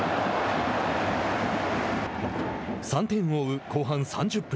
３点を追う後半３０分。